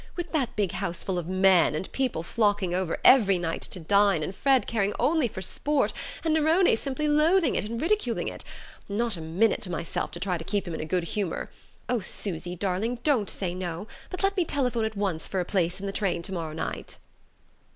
With that big house full of men, and people flocking over every night to dine, and Fred caring only for sport, and Nerone simply loathing it and ridiculing it, and not a minute to myself to try to keep him in a good humour.... Oh, Susy darling, don't say no, but let me telephone at once for a place in the train to morrow night!"